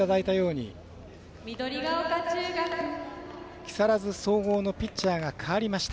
木更津総合のピッチャーが代わりました。